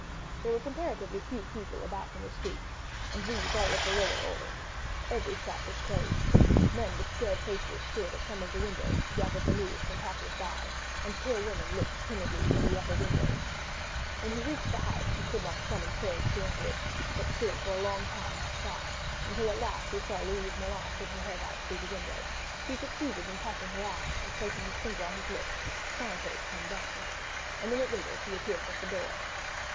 There were comparatively few people about the streets, and these all of the lower order. Every shop was closed. Men with scared faces stood at some of the doors to gather the news from passers by, and pale women looked timidly from the upper windows. When he reached the house he could not summon courage to enter it, but stood for a long time outside, until at last he saw Louise Moulin put her head from the window. He succeeded in catching her eye, and placing his finger on his lips signed to her to come down. A minute later she appeared at the door.